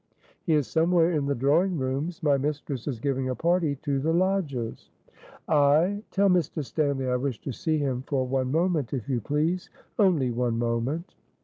"He is somewhere in the drawing rooms. My mistress is giving a party to the lodgers." "Ay? Tell Mr. Stanly I wish to see him for one moment if you please; only one moment."